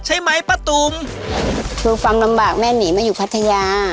ใช่ไหมป้าตุ๋มเธอฟังลำบากแม่หนีมาอยู่พัทยา